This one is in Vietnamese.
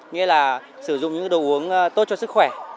nghĩa là sử dụng những đồ uống tốt cho sức khỏe